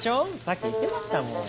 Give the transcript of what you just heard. さっき言ってましたもん。